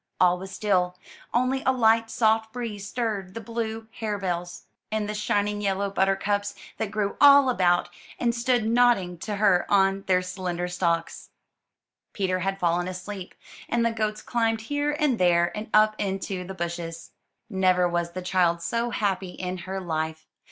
All was still; only a light, soft breeze stirred the blue harebells, and the shining yellow buttercups, that grew all about, and stood nodding to her on their slender stalks. Peter had 281 MY BOOK HOUSE fallen asleep, and the goats climbed here and there, and up into the bushes. Never was the child so happy in her life.